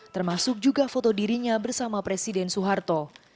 termasuk juga foto dirinya bersama presiden soeharto